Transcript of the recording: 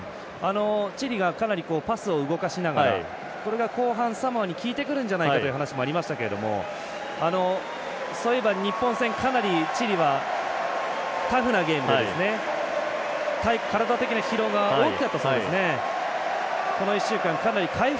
チリがかなりパスを動かしながらこれが後半サモアにきいてくるんじゃないかという話もありましたけどそういえば、日本戦かなりチリはタフなゲームで体力的な疲労が大きかったそうですね。